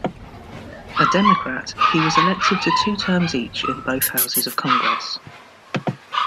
A Democrat, he was elected to two terms each in both houses of Congress.